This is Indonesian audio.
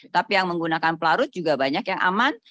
tapi yang menggunakan pelarut juga banyak yang aman